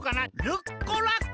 ルッコラッコ。